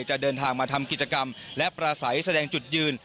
จะเดินทางมาทำกิจกรรมและประสัยแสดงจุดยืน